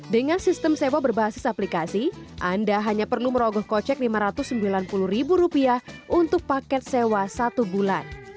dengan sistem sewa berbasis aplikasi anda hanya perlu merogoh kocek rp lima ratus sembilan puluh untuk paket sewa satu bulan